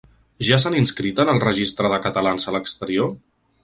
Ja s’han inscrit en el registre de catalans a l’exterior?